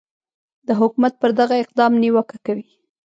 د حکومت پر دغه اقدام نیوکه کوي